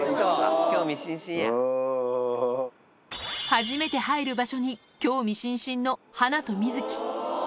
初めて入る場所に興味津々のハナとミズキ。